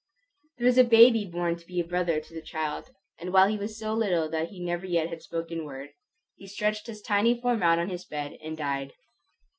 There was a baby born to be a brother to the child; and while he was so little that he never yet had spoken word, he stretched his tiny form out on his bed and died.